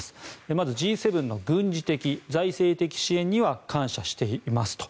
まず、Ｇ７の軍事的・財政的支援には感謝していますと。